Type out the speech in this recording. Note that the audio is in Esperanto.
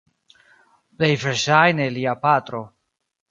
Plej verŝajne lia patro.